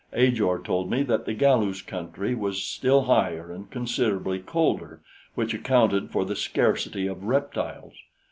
Ajor told me that the Galus country was still higher and considerably colder, which accounted for the scarcity of reptiles.